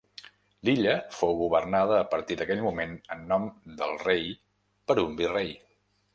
L'illa fou governada a partir d'aquell moment en nom del rei per un virrei.